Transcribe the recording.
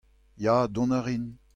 ya, dont a rin.